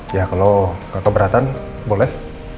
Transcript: ya kalau keberatan boleh